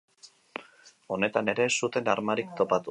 Honetan ere ez zuten armarik topatu.